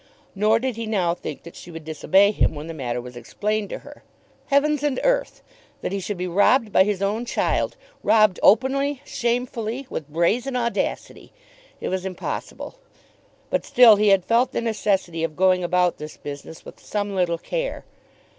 Nor did he now think that she would disobey him when the matter was explained to her. Heavens and earth! That he should be robbed by his own child, robbed openly, shamefully, with brazen audacity! It was impossible. But still he had felt the necessity of going about this business with some little care.